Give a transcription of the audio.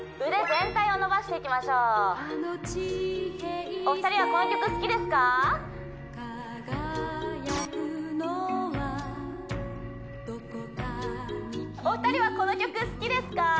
腕全体を伸ばしていきましょうお二人はこの曲好きですか？